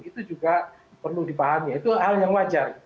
itu juga perlu dipahami itu hal yang wajar